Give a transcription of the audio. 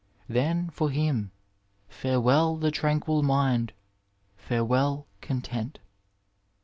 Then for him ''farewell the tranquil mind, farewell content."